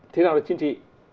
thế nào là chính trị